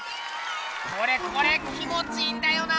これこれ気もちいいんだよな！